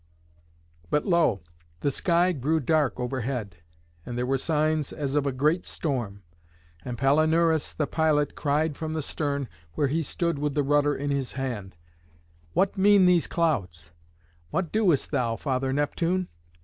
But lo! the sky grew dark overhead, and there were signs as of a great storm. And Palinurus, the pilot, cried from the stern, where he stood with the rudder in his hand, "What mean these clouds? What doest thou, Father Neptune?"